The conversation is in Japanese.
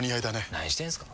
何してんすか。